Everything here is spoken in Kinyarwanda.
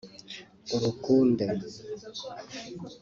urukunde